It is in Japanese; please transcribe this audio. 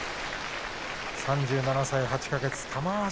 玉鷲、３７歳８か月